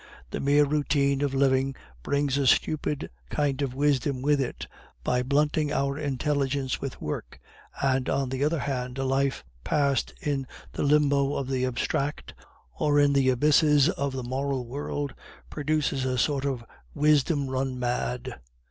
The mere routine of living brings a stupid kind of wisdom with it, by blunting our intelligence with work; and on the other hand, a life passed in the limbo of the abstract or in the abysses of the moral world, produces a sort of wisdom run mad.